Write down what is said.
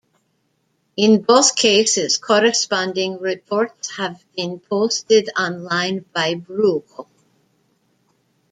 In both cases, corresponding reports have been posted online by Bruegel.